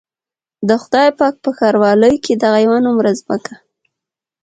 د خدای پاک په ښاروالۍ کې دغه يوه نومره ځمکه.